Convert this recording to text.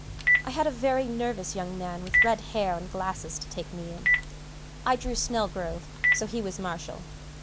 I had a very nervous young man with red hair and glasses to take me in; I drew "Snelgrove," so he was "Marshall."